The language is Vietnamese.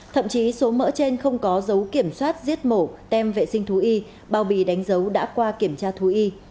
thậm chí số mỡ trên không có dấu kiểm soát giết mổ tem vệ sinh thú y bao bì đánh dấu đã qua kiểm tra thú y